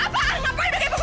apaan kenapa ini bagaimana